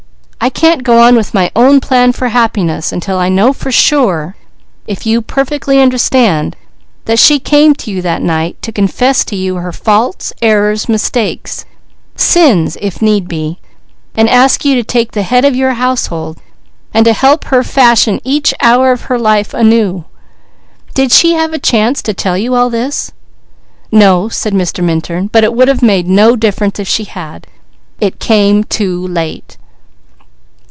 I can't go on with my own plan for personal happiness, until I know for sure if you perfectly understand that she came to you that night to confess to you her faults, errors, mistakes, sins, if need be, and ask you to take the head of your household, and to help her fashion each hour of her life anew. Did she have a chance to tell you all this?" "No," said Mr. Minturn. "But it would have made no difference, if she had. It came too late."